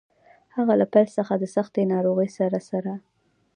هغه له پیل څخه د سختې ناروغۍ سره سره.